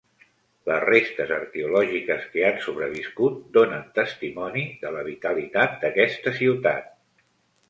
Les restes arqueològiques que han sobreviscut donen testimoni de la vitalitat d'aquesta ciutat.